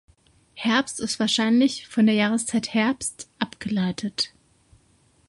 Herbst ist wahrscheinlich von der Jahreszeit Herbst abgeleitet.